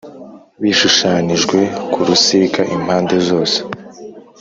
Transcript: bishushanijwe ku rusika impande zose